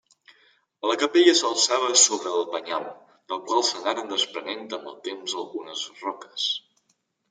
La capella s'alçava sobre el penyal, del qual s'anaren desprenent amb el temps algunes roques.